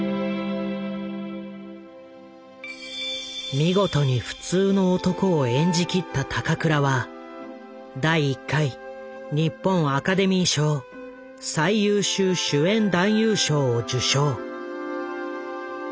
見事に普通の男を演じ切った高倉は第１回日本アカデミー賞最優秀主演男優賞を受賞。